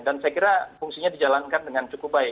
dan saya kira fungsinya dijalankan dengan cukup baik